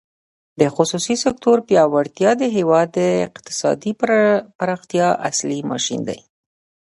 د خصوصي سکتور پیاوړتیا د هېواد د اقتصادي پراختیا اصلي ماشین دی.